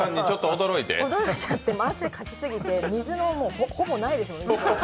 驚いちゃって汗かきすぎて、水ほぼないですもんね。